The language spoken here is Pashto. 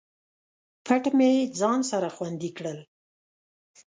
پټ مې ځان سره خوندي کړل